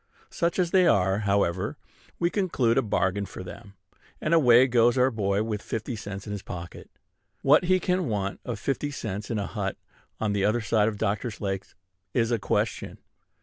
Such as they are, however, we conclude a bargain for them; and away goes our boy with fifty cents in his pocket. What he can want of fifty cents in a hut on the other side of Doctor's Lake is a question.